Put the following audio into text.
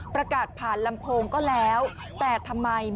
ประกาศผ่านลำโพงก็แล้วแต่ทำไม